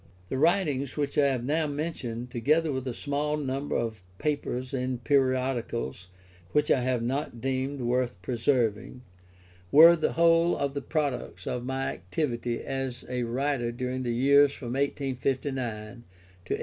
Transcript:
The writings which I have now mentioned, together with a small number of papers in periodicals which I have not deemed worth preserving, were the whole of the products of my activity as a writer during the years from 1859 to 1865.